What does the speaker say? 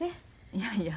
いやいや。